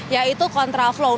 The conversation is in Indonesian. yaitu kontra flow